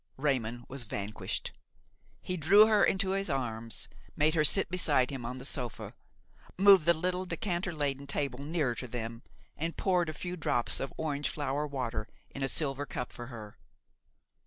Raymon was vanquished; he drew her into his arms, made her sit beside him on the sofa, moved the little decanter laden table nearer to them, and poured a few drops of orange flower water in a silver cup for her.